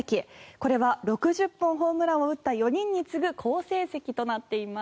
これは６０本ホームランを打った４人に次ぐ好成績となっています。